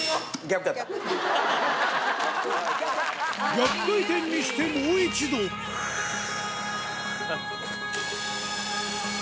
逆回転にしてもう一度ふぅ。